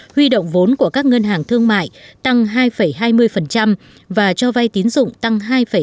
huy động vốn của các ngân hàng thương mại tăng hai hai mươi và cho vay tín dụng tăng hai bảy mươi